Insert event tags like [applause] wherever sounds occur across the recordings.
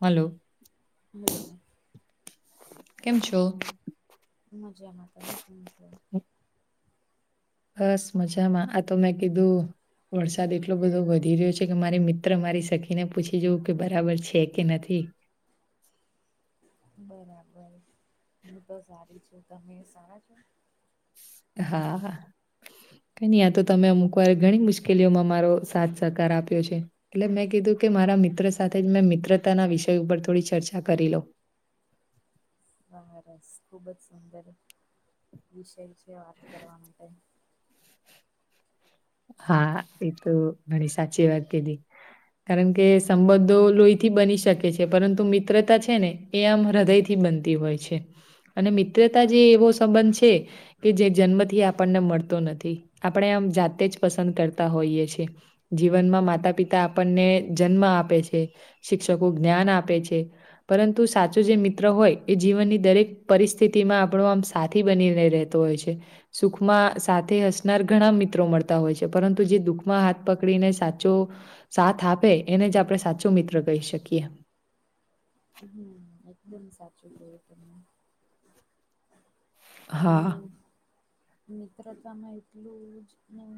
હાલો. Hello. કેમ છો. મજામાં તમે કેમ છો. બસ મજામાં આતો મેં કીધુ વરસાદ એટલો બધો વધી રહ્યો છે, કે મારી મિત્ર મારી સખીને પૂછી જવુ, કે બરાબર છે, કે નથી. બરાબર હુ તો સારી છુ, તમે સારા છો. હા કંઈ નહીં આતો તમે અમુકવાર ઘણી મુશ્કેલીઓમાં મારો સાચો સહકાર આપ્યો છે. એટલે મેં કીધું કે મારા મિત્ર સાથે જ મેં મિત્રતાના વિષય ઉપર થોડી ચર્ચા કરી લો બરસ ખુબ જ સુંદર વિષય છે, વાત કરવા માટે હા એતો ઘણી સાચી વાત કીધી કારણ કે સંબંધો લોહીથી બની શકે છે, પરંતુ મિત્રતા છેને. એ આમ હૃદયથી બનતી હોય છે, અને મિત્રતા જે એવો સંબંધ છે. કેજે જન્મથી આપણને મળતો નથી, આપણે આમ જાતે જ પસંદ કરતા હોઈએ છે. જીવનમાં માતા પિતા આપણને જન્મ આપે છે, શિક્ષકો જ્ઞાન આપે છે. પરંતુ સાચો જે મિત્ર હોય એ જીવનની દરેક પરિસ્થિતિમાં આપણો આમ સાથી બનીને રહેતો. હોય છે, સુખમાં સાથે હસનાર ઘણા મિત્રો મળતા હોય છે, પરંતુ જે દુઃખમાં હાથ પકડીને સાચો સાથ આપે એને જ આપણે સાચું મિત્ર કહી શકીએ હું એકદમ સાચું પણ અને હા, મિત્રતામાં એટલું જ અને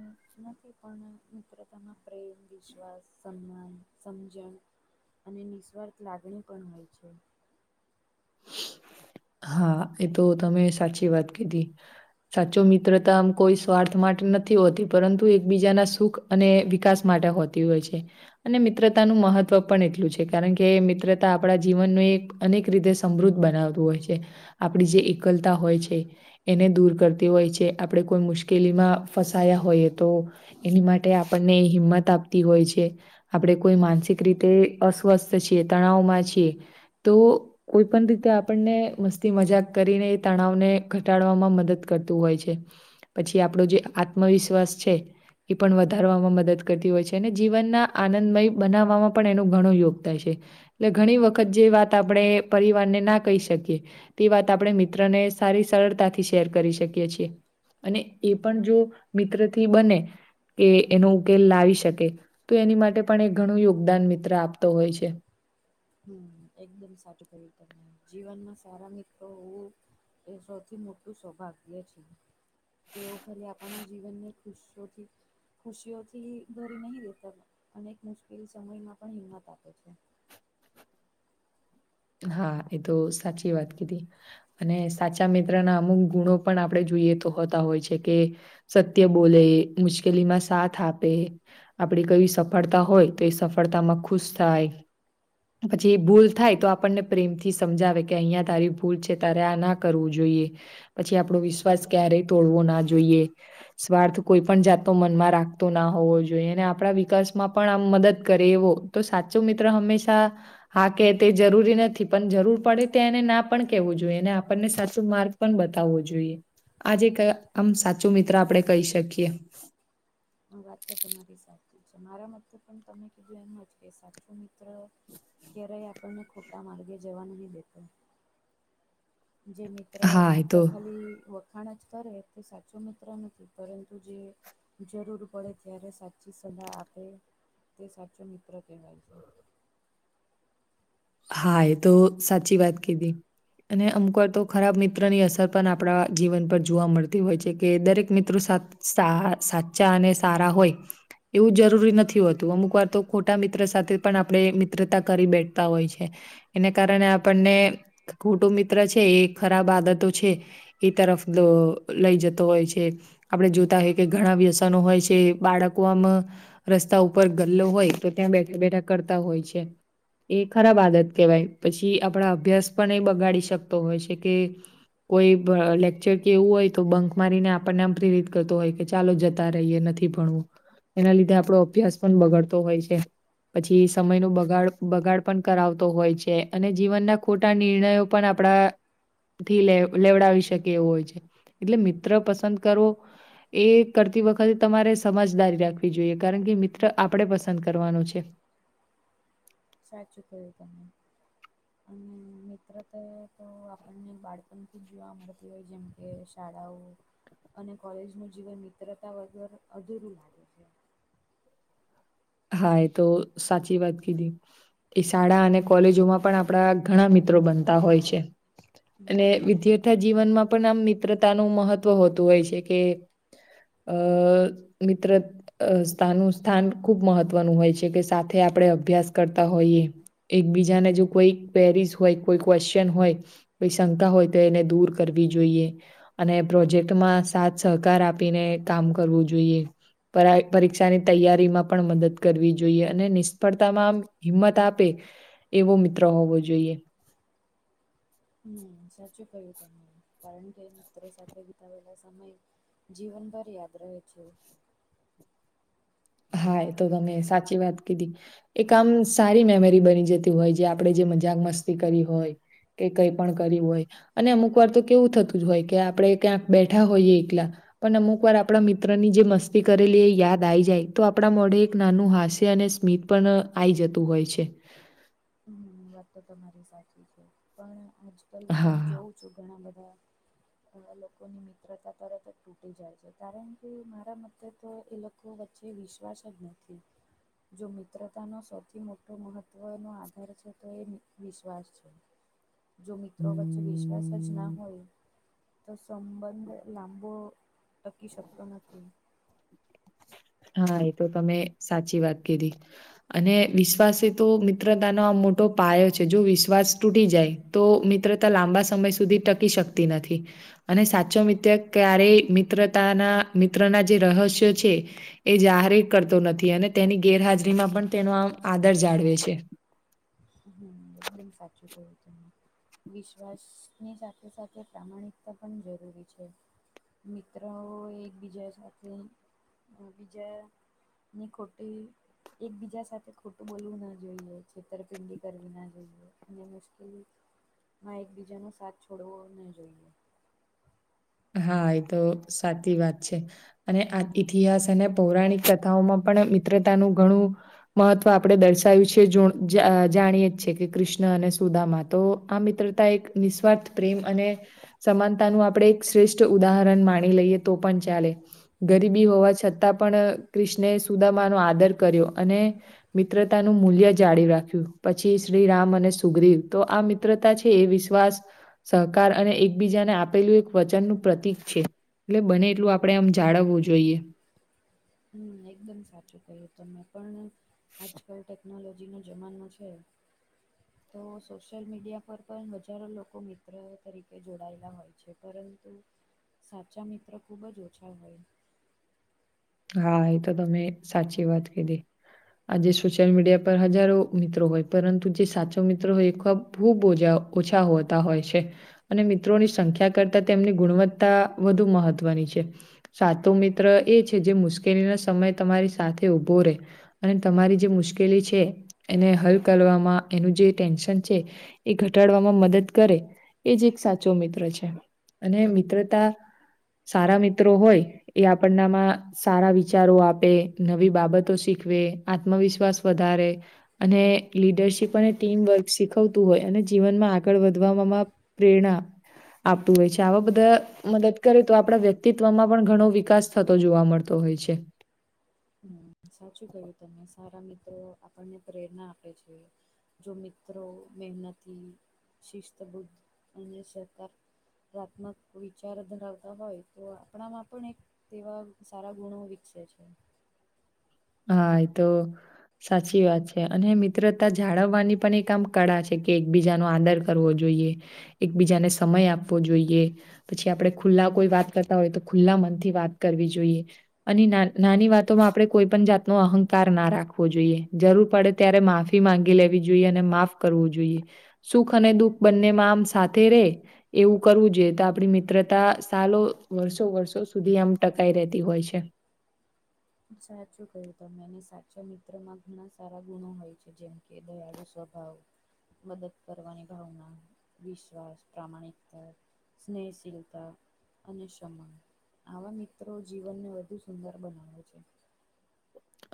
નથી પણ મિત્રતામા પ્રેમ વિશ્વાસ, સન્માન સમજણ અને નિઃસ્વાર્થ લાગણી પણ હોય છે. હા એતો તમે સાચી વાત કીધી સાચો મિત્રતા આમ કોઈ સ્વાર્થ માટે નથી હોતી, પરંતુ એકબીજાના સુખ અને વિકાસ માટે હોતી હોય છે. અને મિત્રતાનું મહત્વ પણ એટલું છે કારણ કે મિત્રતા આપણા જીવનનું એક અનેક રીતે સમૃદ્ધ બનાવતું હોય છે આપણી જે એકલતા હોય છે. એને દૂર કરતી હોય છે, આપણે કોઈ મુશ્કેલીમાં ફસાયા હોઈએ તો એની માટે આપણને હિંમત આપતી હોય છે. આપણે કોઈ માનસિક રીતે અસ્વસ્થ છીએ તણાવમાં છીએ તો કોઈ પણ રીતે આપણને મસ્તી મજાક કરીને એ તણાવને ઘટાડવામાં મદદ કરતું હોય છે. પછી આપણો જે આત્મવિશ્વાસ છે. એ પણ વધારવામાં મદદ કરતી હોય છે, અને જીવનના આનંદમય બનાવવામાં પણ એનો ઘણો યોગ થાય છે. એટલે ઘણી વખત જે વાત આપણે પરિવારને ના કહી શકીએ તે વાત આપણે મિત્રને સારી સરળતાથી શેર કરી શકીએ છીએ. અને એ પણ જો મિત્રથી બને કે એનો ઉકેલ લાવી શકે તો એની માટે પણ એ ઘણું યોગદાન મિત્ર આપતો હોય છે હમ એકદમ સાચું કહ્યું તમેં જીવનમાં સારા મિત્રો હોવું એ સૌથી મોટું સૌભાગ્ય છે તેઓ ખરે આપણા જીવનને ખુશીઓથી ખુશીઓથી ભરી નહી લેતા અનેક મુશ્કેલ સમયમાં પણ હિંમત આપે છે હા એ તો સાચી વાત કીધી અને સાચા મિત્રના અમુક ગુણો પણ આપડે જોઈએ તો હોતા હોય છે કે સત્ય બોલે મુશ્કેલીમાં સાથ આપે આપડી કઈ સફળતા હોય તો એ સફળતામાં ખુશ થાય પછી ભૂલ થાય તો આ પણને પ્રેમથી સમજાવે કે અહીંયા તારી ભૂલ છે તારે આ ના કરવું જોઈએ પછી આપડો વિશ્વાસ ક્યારેય તોડવો ના જોઈએ સ્વાર્થ કોઈ પણ જાતોનો મનમાં રાખતો ના હોવો જોઈએ અને આપડા વિકાસ માં પણ આમ મદદ કરે એવો તો સાચો મિત્ર હંમેશા હા કે તે જરૂરી નથી પણ જરૂર પડે ત્યા એને ના પણ કેવું જોઈએ અનેને આપણને સાચું માર્ગ પણ બતાવવો જોઈએ આજે કયા આમ સાચો મિત્ર આપડે કહી શકીએ આ વાત તો તમારી સાચી છે મારા મતે પણ તમે કીધું એમ જ કે સાચો મિત્ર ક્યારેય આપણને ખોટા માર્ગે જવા નહી દેતો જે મિત્ર હા એ માત્ર તો ખાલી ખાણ જ કરે તે સાચો મિત્ર નથી પરંતુ જે જરૂર પડે ત્યારે સાચી સલાહ આપે તે સાચો મિત્ર કહેવાય છે હા એ તો સાચી વાત કીધી અને અમુક તો ખરાબ મિત્રની અસર પણ આપડા જીવન પર જોવા મળતી હોય છે કે દરેક મિત્રો સા સાચા અને સારા હોય એવું જરૂરી નથી હોતું અમુક વાર તો ખોટા મિત્ર સાથે પણ આપડે મિત્રતા કરી બેઠતા હોય છે એને કારણે આપણને કુટુંબ મિત્ર છે એ ખરાબ આદતો છે એ તરફ લઈ જતો હોય છે આપડે જોતા હોય કે ઘણા વ્યસનો હોય છે બાળકો આમ રસ્તા ઉપર ગલ્લો હોય તો ત્યાં બેઠા બેઠા કરતા હોય છે એ ખરાબ આદત કહેવાય પછી આપડા અભ્યાસ પણ એ બગાડી શકતો હોય છે કે કોઈ લેક્ચર કેવું હોય તો બંક મારીને આપણને આમ પ્રેરિત કરતો હોય કે ચાલો જતા રહીએ નથી ભણવું એના લીધે આપડો અભ્યાસ પણ બગાડતો હોય છે પછી સમય નું બગાડ બગાડ પણ કરાવતો હોય છે અને જીવનના ખોટા નિર્ણયો પણ આપડા થી લ લવડાવી શકે એવું હોય છે એટલે મિત્ર પસંદ કરવો એ કરતી વખતે તમારે સમજદારી રાખવી જોઈએ કારણ કે મિત્ર આપડે પસંદ કરવાનો છે સાચું કહ્યું તમે અને મિત્રતા તો આપણને બાળપણથી જ જોવા મળતી હોય જેમ કે શાળાઓ અને કોલેજ નું જીવન મિત્રતા વગર અધૂરું લાગે છે હા એ તો સાચી વાત કીધી એ શાળા અને કોલેજોમાં પણ આપડા ઘણા મિત્રો બનતા હોય છે હમ અને હમ. વિદ્યાથા જીવનમાં પણ આમ મિત્રતાનું મહત્વ હોતું હોય છે કે અ મિત્ર સ્થાન સ્થાન ખુબ મહત્વનું હોય છે કે સાથે આપડે અભ્યાસ કરતા હોઈએ એક બીજાને જો કોઈ કવેરીશ હોય કોઈ કવેશ્ચન હોય કોઈ શંકા હોય તો એને દૂર કરવી જોઈએ અને પ્રોજેક્ટમાં સાથ સહકાર આપીને કામ કરવું જોઈએ પરીક્ષાની તૈયારીમાં પણ મદદ કરવી જોઈએ અને નિષ્ફળતામાં આમ હિંમત આપે એવો મિત્ર હોવો જોઈએ હમ સાચું ક્યું તને કારણ કે મિત્રો સાથે વિતાવેેલા સમય જીવનભર યાદ રહે છે. હા એ તો તમે સાચી વાત કીધી એક આમ સારી મેમરી બની જતી હોય જે આપણે જે મજાક મસ્તી કરી હોય. કે કઈ પણ કર્યુ હોય. અને અમુક વાર તો કેવું થતું જ હોય કે આપણે ક્યાંક બેઠા હોઈએ એકલા, પણ અમુક વાર આપણા મિત્રની જે મસ્તી કરેલી એ યાદ આવી જાય. તો આપણા મોઢે એક નાનું હાસ્ય અને સ્મિત પણ આવી જતું હોય છે. આ વાત તો તમારી સાચી છે પણ આજકાલ હું હા જોઉં છું ઘણા બધા ઘણા લોકોની મિત્રતા તરત જ તૂટી જાય છે કારણ કે મારા મતે તો એ લોકો લોકો વચ્ચે વિશ્વાસ જ નથી. જો મિત્રતાનો સૌથી મોટો મહત્ત્વનો આધાર છે. તો એ વિશ્વાસ છે જો મિત્રો વચ્ચે વિશ્વાસ જ ના હોય, તો સંબંધ લાંબો ટકી શકતો નથી. હા એ તો તમે સાચી વાત કધી અને વિશ્વાસે તો મિત્રતાનો આ મોટો પાયો છે જો વિશ્વાસ તૂટી જાય તો મિત્રતા લાંબા સમય સુધી ટકી શક તી નથી. અને સાચો મિત્ર ક્યારેય મિત્રતાના મિત્રના જે રહસ્યો છે એ જાહેર કરતો નથી અને તેની ગેરહાજરીમાં પણ તેનો આમ આદર જાળવે છે. હમ એકદમ સાચું કયું તમે. વિશ્વાસની સાથે સાથે પ્રામાણિકતા પણ જરૂરી છે. મિત્રઓ એકબીજા સાથે બીજા ની ખોટે એકબીજા સાથે ખોટું બોલવું ન જોઈએ છેતરપિંડી કરવી ના જોઈએ અને મુશ્કેલીમાં એકબીજાનો સાથ છોડવો ના જોઈએ. હા એ તો સાચી વાત છે. અને આ ઇતિહાસ અને પૌરાણિક કથાઓમાં પણ મિત્રતાનું ઘણું મહત્વ આપણે દર્શાયું છે જો જાણીએ કે કૃષ્ણ અને સુદામાં તો આ મિત્ર મિત્રતા એક નિસ્વાર્થ પ્રેમ અને સમાનતા નું આપણે શ્રેષ્ઠ ઉદાહરણ માણી લઈએ તો પણ ચાલે. ગરીબી હોવા છતાં પણ કૃષ્ણ સુદામાનો આદર કર્યો અને મિત્રતા નું મૂલ્ય જાળવ રાખ્યું પછી શ્રી રામ અને સુખદ્રીવ તો આ મિત્રતા છે એ વિશ્વાસ સહકાર અને એકબીજાને આપેલું વચનનું પ્રતિક છે એટલે બને એટલું આપડણે આમ જાળવવું જોઈએ. હમ્મ એકદમ સાચું કહ્યું તમે પણ આજકાલ ટેકનોલોજી નો જમાનો છે. [inaudible] તો સોશિયલ મીડિયા પર પણ હજારો લોકો મિત્ર તરીકે જોડાયેલા હોય છે પરંતુ સાચા મિત્ર ખૂબ જ ઓછા હોય, હા એ તો તમે સાચી વાત કીધી. આજે સોશિયલ મીડિયા પર હજારો મિત્રો હોય પરંતુ જે સાચો મિત્રો હોય એ ખબ ખૂબ ઓછા ઓછા હોતા હોય છે. અને મિત્રોની સંખ્યા કરતાં તેમની ગુણવત્તા વધુ મહત્વની છે. સાતો મિત્ર એ છે જે મુશ્કેલી ના સમય તમારી સાથે ઉભો રહેે. અને તમારી જે મુશ્કેલી છે એને હલ કરવામાં એનું જે ટેન્શન છે એ ઘટાડવામાં મદદ કરે એજ એક સાચો મિત્ર છે. અને મિત્રતા સારા મિત્રો હોય એ આપણનામાં સારા વિચારો આપે, નવી બાબતો શીખવે આત્મવિશ્વાસ વધારે, અને લીડરશીપ અને ટીમવર્ક શીખવતું હોય અને જીવનમાં આગળ વધવામાં પ્રેરણા આપતું હોય છે આવા બધા મદદ કરે તો આપણા વ્યક્તિત્વમાં પણ ઘણો વિકાસ થતો જોવા મળે. તો હોય છે. હમ્મ, સાચું કહ્યું તમે. સારા મિત્રો આપણને પ્રેરણા આપે છે. જો મિત્રો મહેનતી, શિસ્ત બુદ્ધ, [unintelligible] પ્રાત્મક વિચાર ધરાવતા હોય તો આપણામાં પણ એક તેવા સારા ગુણો વિકસે છે. હા, ઈ તો સાચી વાત છે, અને મિત્રતા જાળવવાની પણ એક આમ કળા છે કે એકબીજા નો આદર કરવો જોઈએ, એકબીજાને સમય આપવો જોઈએ. પછી આપણે ખુલ્લા કોઈ વાત કરતા હોય તો ખુલ્લા મનથી વાત કરવી જોઈએ. અને નાન નાની વાતોમાં આપણે કોઈ પન જાત નો અહંકાર ના રાખવો જોઈએ, જરૂર પડે ત્યારે માફી માંગી લેવી જોઈએ, અને માફ કરવું જોઈએ. સુખ અને દુઃખ બંને માં આમ સાથે રે એવું કરવું જોઈએ, તો આપણી મિત્રતા સાલો વર્ષો-વર્ષો સુધી આમ ટકાઈ રહેતી હોય છે. સાચું કહ્યું તમે, ને સાચા મિત્રમાં ઘણા સારા ગુણો હોય છે જેમ કે દયાળું સ્વભાવ મદદ કરવાની ભાવના, વિશ્વાસ, પ્રમાણિકતા સ્નેહશીલતા અને સમાન, આવા મિત્રો જીવનને વધુ સુંદર બનાવે છે.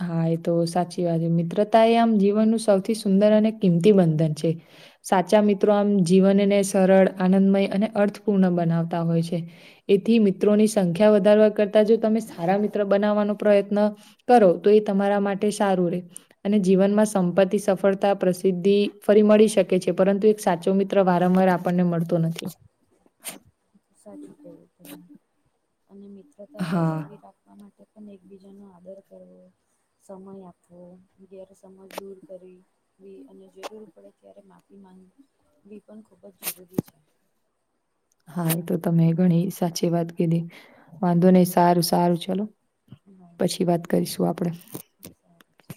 હા એ તો સાચી વાત છે. મિત્રતા એ આમ જીવનનું સૌથી સુંદર અને કિંમતી બંધન છે. સાચા મિત્રો આમ જીવનને સરળ, આનંદમય અને અર્થપૂર્ણ બનાવતા હોય છે. એથી મિત્રોની સંખ્યા વધારવા કરતા જો તમે સારા મિત્ર બનાવવાનો પ્રયત્ન કરો તો એ તમારા માટે સારું રહેે. અને જીવનમાં સંપત્તિ, સફળતા, પ્રસિદ્ધિ ફરી મળી શકે છે, પરંતુ સાચો મિત્ર વારંવાર આપણને મળતો નથી. સાચું કહ્યું તમે. અને મિત્રતા હા, જળાવવી રાખ ખવા માટે પણ એકબીજા નો આદર કરવો સમય આપવો, [unintelligible] સમજ દૂર કરવી વી અને જરૂર પડે ત્યારે માફી માંગવી પણ ખૂબ જ જરૂરી છે. હા આ તો તમે ઘણી સાચી વાત કીધી. વાંધો નહીં સારું-સારું ચલો. હા પછી બોલો. વાત કરીશું આપણેે. સારું છે